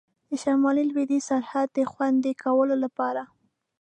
د شمال لوېدیځ سرحد د خوندي کولو لپاره.